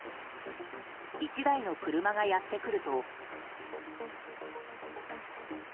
１台の車がやってくると。